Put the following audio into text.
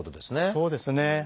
そうですね。